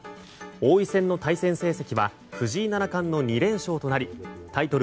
王位戦の対戦成績は藤井七冠の２連勝となりタイトル